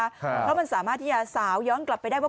เพราะมันสามารถที่จะสาวย้อนกลับไปได้ว่า